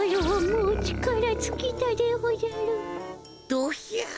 どひゃ。